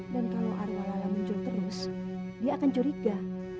dan kalau arwah lala muncul terus dia akan curiga